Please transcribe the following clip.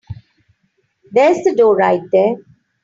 There's the door right there.